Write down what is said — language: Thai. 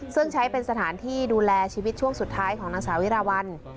ซึ่งใช้เป็นสถานที่ดูแลชีวิตช่วงสุดท้ายของนางสาวิราวัล